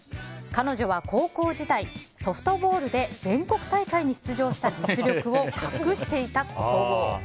彼女は高校時代ソフトボールで全国大会に出場した実力を隠していたことを。